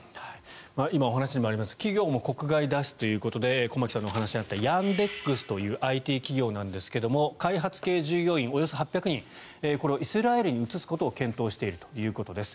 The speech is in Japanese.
今、お話にもありました企業も国外脱出ということで駒木さんのお話にあったヤンデックスというＩＴ企業なんですが開発系従業員およそ８００人これをイスラエルに移すことを検討しているということです。